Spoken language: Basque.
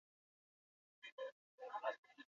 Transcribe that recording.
Logotipoa beti azpian dago, tipografia jakin batez.